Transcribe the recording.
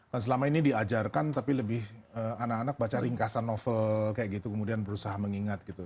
dan selama ini diajarkan tapi lebih anak anak baca ringkasan novel kayak gitu kemudian berusaha mengingat gitu